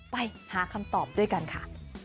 ไปหาคำตอบด้วยกันค่ะ